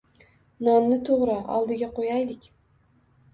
Nonni to'g'ra, oldiga ko'yaylik.